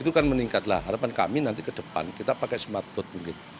itu kan meningkat lah harapan kami nanti ke depan kita pakai smartboard mungkin